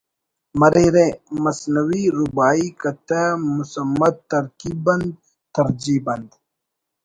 مریرہ: مثنوی، رباعی، قطعہ، مسمط، ترکیب بند، ترجیع بند